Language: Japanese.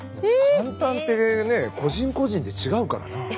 「簡単」ってね個人個人で違うからな。